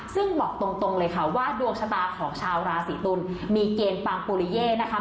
ซึ่งบอกตรงเลยค่ะว่าดวงชะตาของชาวราศีตุลมีเกณฑ์ปังปุริเย่นะคะ